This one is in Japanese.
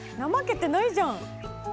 怠けてないじゃん！